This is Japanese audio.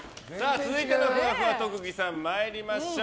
続いてのふわふわ特技さんまいりましょう。